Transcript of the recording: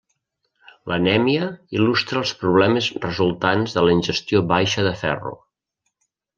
L'anèmia il·lustra els problemes resultants de la ingestió baixa de ferro.